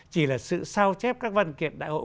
chỉ là sự sao chép các văn kiện đại hội